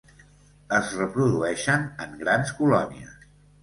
Es reprodueixen en grans colònies.